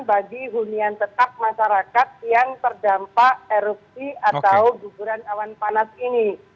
bagi hunian tetap masyarakat yang terdampak erupsi atau guguran awan panas ini